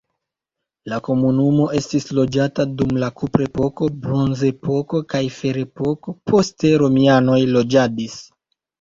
La komunumo estis loĝata dum la kuprepoko, bronzepoko kaj ferepoko, poste romianoj loĝadis.